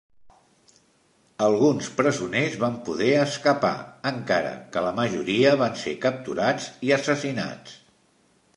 Alguns presoners van poder escapar, encara que la majoria van ser capturats i assassinats.